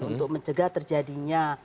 untuk mencegah terjadinya